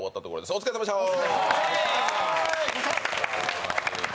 お疲れさまでした。